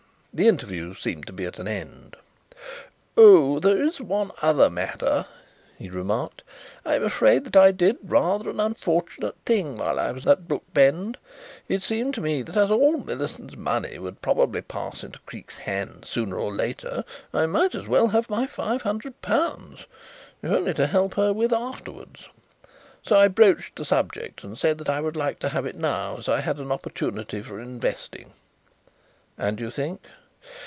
The interview seemed to be at an end. "Oh, there's one other matter," he remarked. "I am afraid that I did rather an unfortunate thing while I was at Brookbend. It seemed to me that as all Millicent's money would probably pass into Creake's hands sooner or later I might as well have my five hundred pounds, if only to help her with afterwards. So I broached the subject and said that I should like to have it now as I had an opportunity for investing." "And you think?"